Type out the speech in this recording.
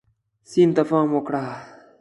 سیند ته پام وکړه.